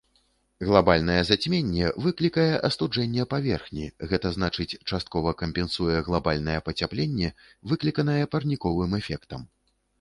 Глабальнае зацьменне выклікае астуджэнне паверхні, гэта значыць часткова кампенсуе глабальнае пацяпленне, выкліканае парніковым эфектам.